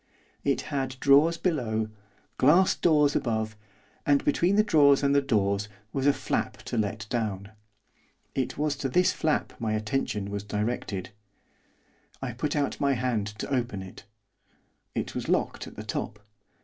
It had drawers below, glass doors above, and between the drawers and the doors was a flap to let down. It was to this flap my attention was directed. I put out my hand to open it; it was locked at the top.